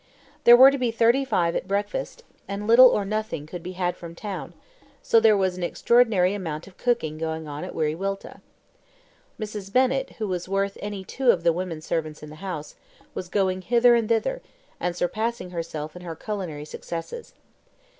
There were to be thirty five at breakfast; and little or nothing could be had from town, so there was an extraordinary amount of cooking going on at Wiriwilta. Mrs. Bennett, who was worth any two of the women servants in the house, was going hither and thither, and surpassing herself in her culinary successes.